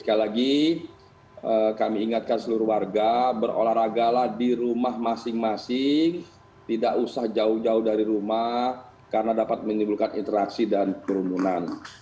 sekali lagi kami ingatkan seluruh warga berolahragalah di rumah masing masing tidak usah jauh jauh dari rumah karena dapat menimbulkan interaksi dan kerumunan